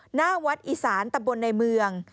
หน้าวัดอีสานตำบลในเมือง